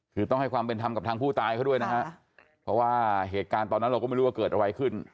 คือต้องให้ความเป็นธรรมกับทางผู้ตายเขาด้วยนะฮะเพราะว่าเหตุการณ์ตอนนั้นเราก็ไม่รู้ว่าเกิดอะไรขึ้น